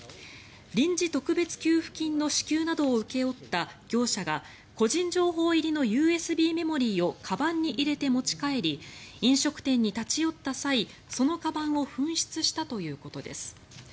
臨時特別給付金の支給などを請け負った業者が個人情報入りのＵＳＢメモリーをカバンに入れて持ち帰り飲食店に立ち寄った際そのかばんを紛失したということです。